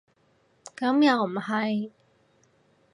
咁又唔係